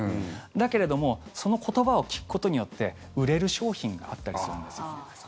だけれどもその言葉を聞くことによって売れる商品があったりするんですよ。